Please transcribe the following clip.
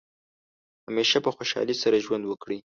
همیشه په خوشحالۍ سره ژوند وکړئ.